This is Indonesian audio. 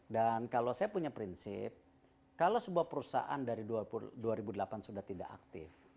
dan kalau saya punya prinsip kalau sebuah perusahaan dari dua ribu delapan sudah tidak aktif